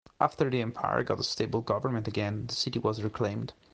After the empire got a stable government again, the city was reclaimed.